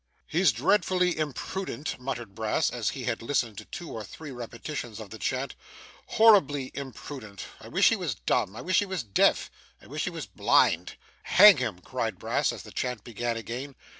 'He's dreadfully imprudent,' muttered Brass, after he had listened to two or three repetitions of the chant. 'Horribly imprudent. I wish he was dumb. I wish he was deaf. I wish he was blind. Hang him,' cried Brass, as the chant began again.